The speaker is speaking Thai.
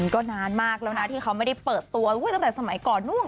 ก็นานมากแล้วนะที่เขาไม่ได้เปิดตัวตั้งแต่สมัยก่อนนู้น